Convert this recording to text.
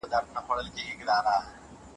ما په خپله څوکۍ کې د یوې نوې ملګرتیا هیلې ولیدلې.